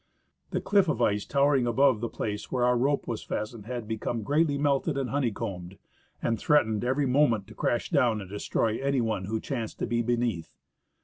The cliff of ice towering above the place where our rope was fastened had become greatly melted and honey combed, and threatened every moment to crash down and destroy any one who chanced to be beneath.